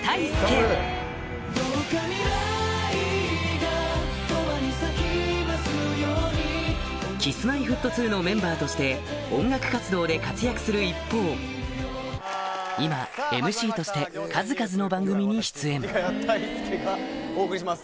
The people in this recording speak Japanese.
どうか未来が永遠に咲きますように Ｋｉｓ−Ｍｙ−Ｆｔ２ のメンバーとして音楽活動で活躍する一方今 ＭＣ として数々の番組に出演藤ヶ谷太輔がお送りします。